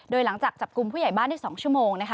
โดยหลังจากจับกุมผู้ใหญ่บ้านใน๒ชั่วโมง